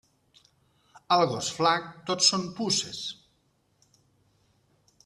Al gos flac tot són puces.